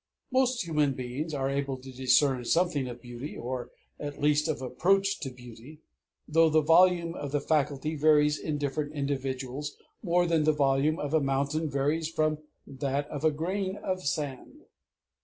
Most human beings are able to discern something of beauty, or at least of approach to beauty though the volume of the faculty varies in different individuals more than the volume of a mountain varies from that of a grain of sand.